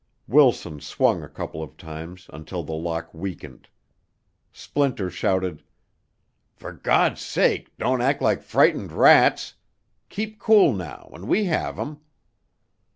Wilson swung a couple of times until the lock weakened. Splinter shouted: "Fer Gawd's sake, don't act like frightened rats! Keep cool now an' we have 'em."